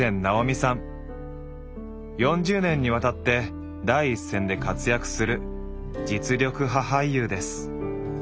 ４０年にわたって第一線で活躍する実力派俳優です。